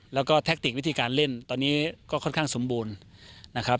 แล้วก็แทคติกวิธีการเล่นตอนนี้ก็ค่อนข้างสมบูรณ์นะครับ